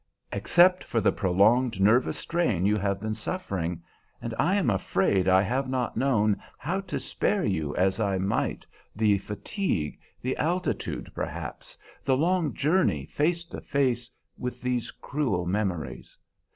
"Except for the prolonged nervous strain you have been suffering; and I am afraid I have not known how to spare you as I might the fatigue, the altitude perhaps, the long journey face to face with these cruel memories.